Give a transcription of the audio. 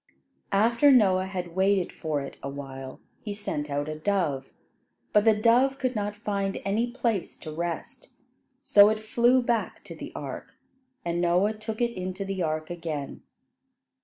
After Noah had waited for it awhile, he sent out a dove; but the dove could not find any place to rest, so it flew back to the ark, and Noah took it into the ark again.